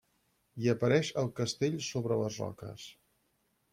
Hi apareix el castell sobre les roques.